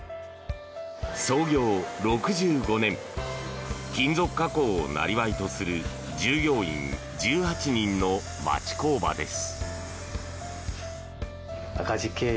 創業６５年金属加工をなりわいとする従業員１８人の町工場です。